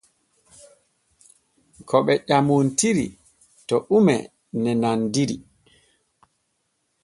Ko ɓee ƴamontira to ume ne nandiri.